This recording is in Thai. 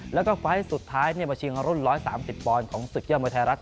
แล้วก็ไฟล์สุดท้ายมาชิงรุ่น๑๓๐ปอนด์ของศึกยอดมวยไทยรัฐ